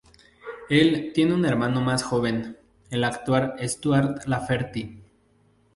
Él tiene un hermano más joven, el actor Stuart Lafferty.